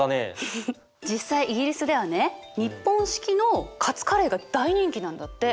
実際イギリスではね日本式のカツカレーが大人気なんだって。